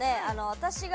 私が